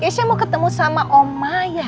keisha mau ketemu sama oma ya